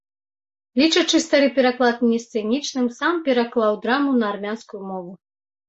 Лічачы стары пераклад несцэнічным, сам пераклаў драму на армянскую мову.